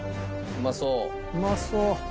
うまそう！